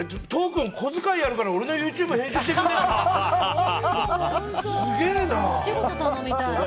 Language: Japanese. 君、小遣いやるから俺のＹｏｕＴｕｂｅ編集してくれないかな？